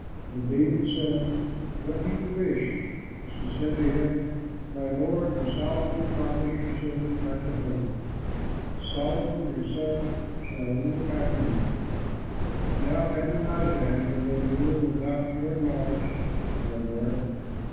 When David said, "What do you wish?" she said to him, "My lord, you solemnly promised your servant by Jehovah: 'Solomon your son shall rule after me.' But now Adonijah has been made ruler without your knowledge, my lord!